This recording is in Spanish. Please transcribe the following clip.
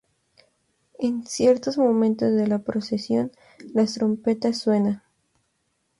En ciertos momentos de la procesión, las trompetas suenan.